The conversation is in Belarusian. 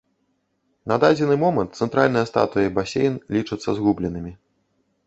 На дадзены момант цэнтральная статуя і басейн лічацца згубленымі.